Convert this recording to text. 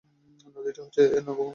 নদীটি হচ্ছে নবগঙ্গা নদী।